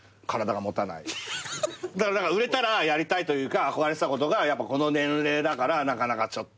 だから売れたらやりたいというか憧れてたことがやっぱこの年齢だからなかなかちょっと。